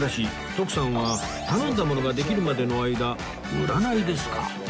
徳さんは頼んだものができるまでの間占いですか